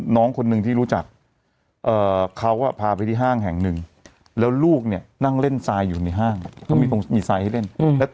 น้องคนนึงที่รู้จักเขาพาไปที่ห้างแห่งหนึ่งแล้วลูกเนี่ยนั่งเล่นไซอยู่ในห้าง